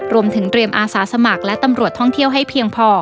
รวมถึงเตรียมอาสาสมัครและตำรวจท่องเที่ยวให้เพียงพอ